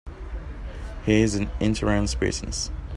He's in the insurance business.